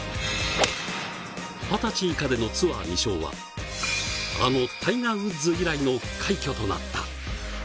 二十歳以下でのツアー２勝は、あのタイガー・ウッズ以来の快挙となった。